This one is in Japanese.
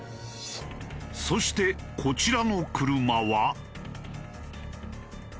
そしてこちらの車は。